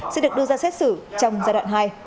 sẽ được đưa ra xét xử trong giai đoạn hai